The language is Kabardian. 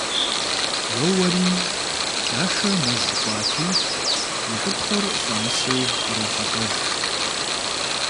Йоуэри, Лашэ мэз кӏуати, и шыпхъур щӏэмысу кърохьэлӏэж.